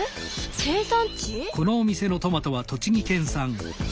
生産地？